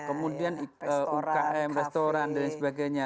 kemudian umkm restoran dan lain sebagainya